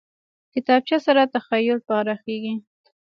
کتابچه سره تخیل پراخېږي